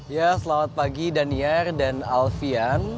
ya selamat pagi daniar dan alfian